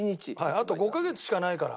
あと５カ月しかないから。